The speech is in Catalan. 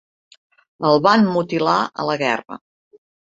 El van mutilar a la guerra.